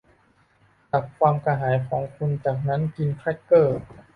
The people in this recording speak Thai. ดับความกระหายของคุณจากนั้นกินแครกเกอร์